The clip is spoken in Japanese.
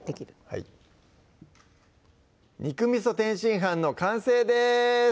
はい「肉みそ天津飯」の完成です